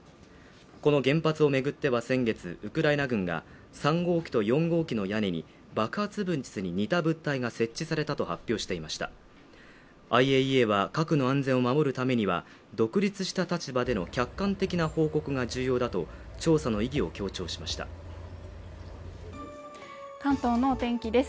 この原発を巡っては先月ウクライナ軍が３号機と４号機の屋根に爆発物に似た物体が設置されたと発表していましたＩＡＥＡは核の安全を守るためには独立した立場での客観的な報告が重要だと調査の意義を強調しました関東のお天気です